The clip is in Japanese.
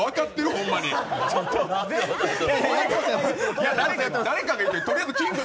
ホンマか？